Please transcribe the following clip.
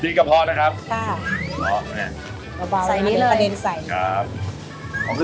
อ่ตันน้ำเปล่าเดี๋ยวครับแม่